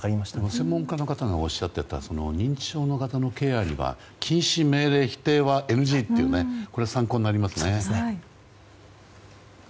専門家の方がおっしゃっていた認知症の方のケアには禁止、命令、否定はＮＧというこれは参考になりますね。